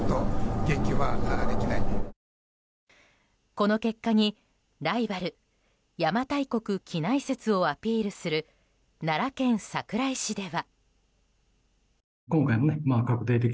この結果に、ライバル邪馬台国畿内説をアピールする奈良県桜井市では。